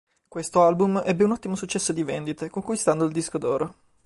Questo album ebbe un ottimo successo di vendite, conquistando il Disco d'oro.